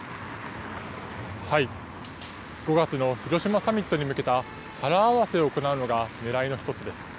５月の広島サミットに向けた、腹合わせを行うのがねらいの一つです。